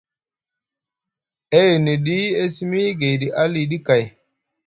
E hiniɗi e simi gayɗi aliɗi kay.